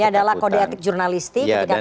ini adalah kode etik jurnalistik